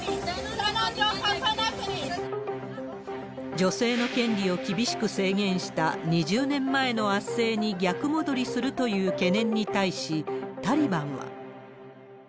女性の権利を厳しく制限した２０年前の圧政に逆戻りするという懸念に対し、タリバンは。